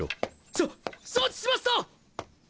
しょ承知しました！